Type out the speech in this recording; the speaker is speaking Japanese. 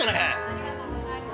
◆ありがとうございます。